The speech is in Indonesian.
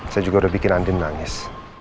saya juga udah bikin andien nangis